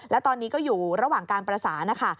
แล้วตอนนี้ก็อยู่ระหว่างการประสานนะคะ